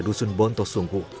dusun bonto sungguh